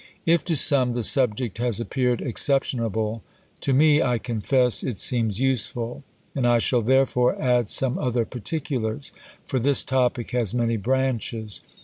If to some the subject has appeared exceptionable, to me, I confess, it seems useful, and I shall therefore add some other particulars; for this topic has many branches.